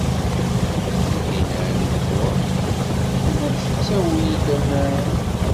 Tinhinan u Muḥ tella tettawey-d aman.